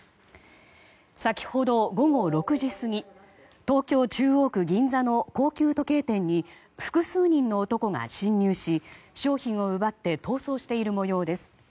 先ほど午後６時過ぎ東京・中央区銀座の高級時計店に複数人の男が侵入し商品を奪って逃走している模様です。